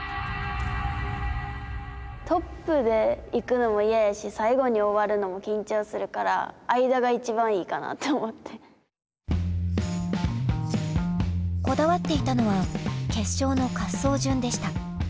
トップで行くのも嫌やし最後に終わるのも緊張するからこだわっていたのは決勝の滑走順でした。